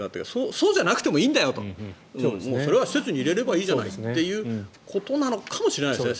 そうじゃなくてもいいんだよとそれは施設に入れればいいじゃないということなのかもしれないですね。